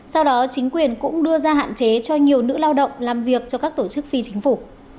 sau đó chính quyền cũng đưa ra hạn chế cho nhiều nữ lao động làm việc cho các tổ chức phi chính phủ